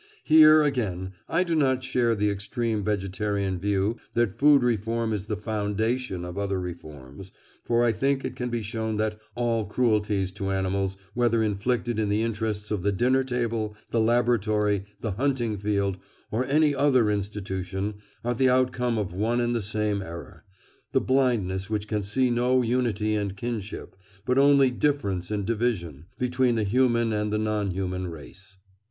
Here, again, I do not share the extreme vegetarian view that food reform is the foundation of other reforms, for I think it can be shown that all cruelties to animals, whether inflicted in the interests of the dinner table, the laboratory, the hunting field, or any other institution, are the outcome of one and the same error—the blindness which can see no unity and kinship, but only difference and division, between the human and the non human race.